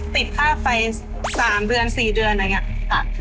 ติดค่าไฟ๓เดือน๔เดือนอะไรอย่างนี้ค่ะ